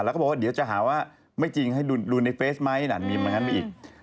แล้วก็บอกว่าเดี๋ยวจะหาว่าไม่จริงให้ดูในเฟซไหมนั่นมีเหมือนกันไปอีก